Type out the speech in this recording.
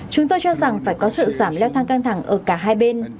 chúng tôi cho rằng phải có sự giảm leo thang căng thẳng ở cả hai bên